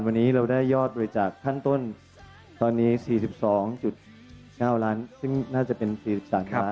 วันนี้เราได้ยอดบริจาคขั้นต้นตอนนี้๔๒๙ล้านซึ่งน่าจะเป็น๔สาขา